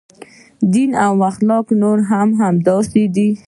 دین او اخلاق نورې هم همداسې دي.